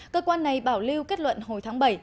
cơ quan này bảo lưu kết luận hồi tháng bảy